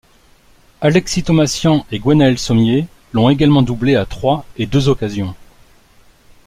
Alexis Tomassian et Gwenaël Sommier l'ont également doublé à trois et deux occasions.